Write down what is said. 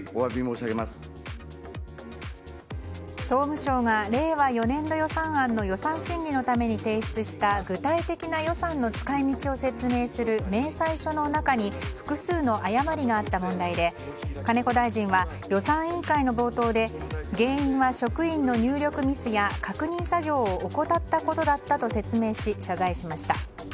総務省が令和４年度予算案の予算審議のために提出した具体的な予算の使い道を説明する明細書の中に複数の誤りがあった問題で金子大臣は、予算委員会の冒頭で原因は職員の入力ミスや確認作業を怠ったことだったと説明し謝罪しました。